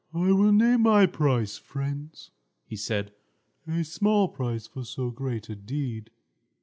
"I will name my price, friends," he said; "a small price for so great a deed.